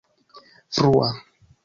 frua